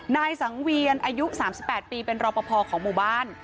นายสังเวียนอายุ๓๘ปีเป็นรอปภของหมู่บ้าน